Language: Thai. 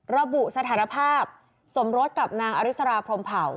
ระบุสถานภาพสมรสกับนางอริสราพรมเผ่า